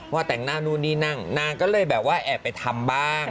แต่งหน้านู่นนี่นั่นนางก็เลยแบบว่าแอบไปทำบ้าง